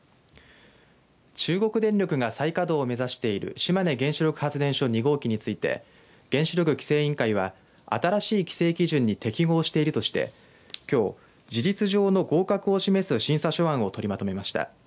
中国電力が再稼働を目指している島根原子力発電所２号機について原子力規制委員会は新しい規制基準に適合しているとしてきょう、事実上の合格を示す審査書案を取りまとめました。